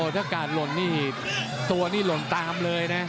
ถ้ากาดหล่นนี่ตัวนี่หล่นตามเลยนะ